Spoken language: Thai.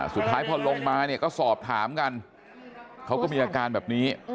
สุดท้ายพอลงมาเนี่ยก็สอบถามกันเขาก็มีอาการแบบนี้